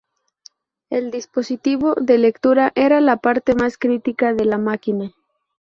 El dispositivo de lectura era la parte más crítica de la máquina.